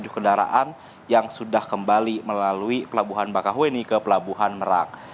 lima puluh tujuh lima ratus lima puluh tujuh kendaraan yang sudah kembali melalui pelabuhan bakahueni ke pelabuhan merang